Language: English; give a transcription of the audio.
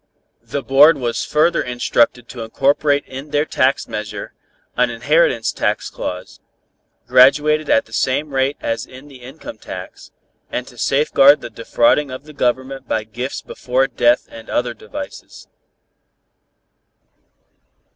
The board was further instructed to incorporate in their tax measure, an inheritance tax clause, graduated at the same rate as in the income tax, and to safeguard the defrauding of the Government by gifts before death and other devices.